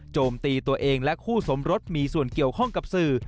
โจมตีตัวเองและคู่สมรสมีส่วนเกี่ยวข้องกับสื่อ